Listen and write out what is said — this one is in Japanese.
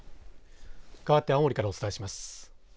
かわって青森からお伝えします。